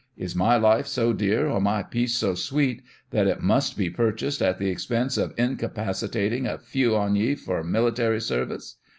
Is my life so dear, or my peace so sweet, that it must be purchased at the expense of incapacitating a few on ye for military service